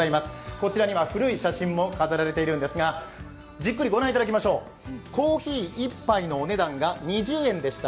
こちらには古い写真も飾られているんですが、じっくり御覧いただきましょう、コーヒー１杯のお値段が２０円でした。